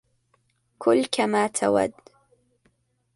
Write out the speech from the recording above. كل كما تود.